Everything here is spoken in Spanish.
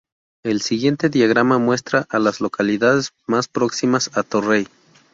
El siguiente diagrama muestra a las localidades más próximas a Torrey.